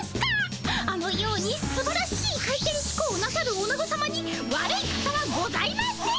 あのようにすばらしい回転飛行をなさるおなごさまに悪い方はございません！